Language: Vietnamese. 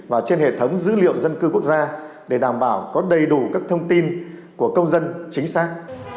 và trên hệ thống dữ liệu dân cư quốc gia để đảm bảo có đầy đủ các thông tin của công dân chính xác